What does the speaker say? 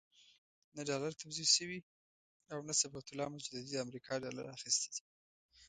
نه ډالر توزیع شوي او نه صبغت الله مجددي د امریکا ډالر اخیستي دي.